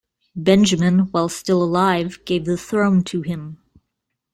Benjamin, while still alive, gave the throne to him.